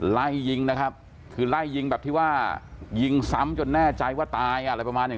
ไล่ยิงนะครับคือไล่ยิงแบบที่ว่ายิงซ้ำจนแน่ใจว่าตายอะไรประมาณอย่าง